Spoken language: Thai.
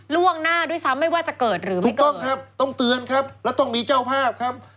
ล่วงหน้าด้วยซ้ำไม่ว่าจะเกิดหรือไม่ถูกต้องครับต้องเตือนครับแล้วต้องมีเจ้าภาพครับ